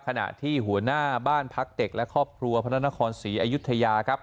ขณะที่หัวหน้าบ้านพักเด็กและครอบครัวพระนครศรีอยุธยาครับ